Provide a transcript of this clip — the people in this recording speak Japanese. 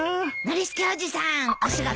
ノリスケおじさんお仕事